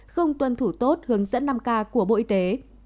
không tuân thủ tốt hướng dẫn năm k của bộ y tế